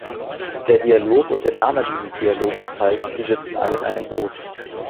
Der Dialog und der Name dieses Dialogs zeigen, wir sitzen alle in einem Boot.